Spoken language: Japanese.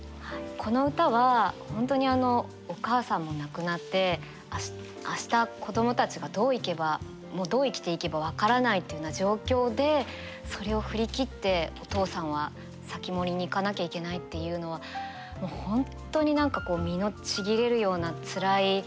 この歌は本当にお母さんも亡くなって明日子どもたちがどう生きていけば分からないっていうような状況でそれを振り切ってお父さんは防人に行かなきゃいけないっていうのは本当に何かこう身のちぎれるようなつらい。